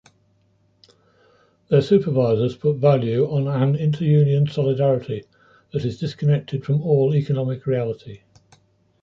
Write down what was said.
Their supervisors put value on an inter-union solidarity that is disconnected from all economic reality.